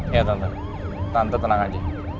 iya tante tante tenang aja